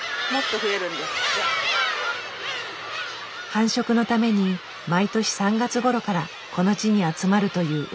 繁殖のために毎年３月ごろからこの地に集まるというウミネコ。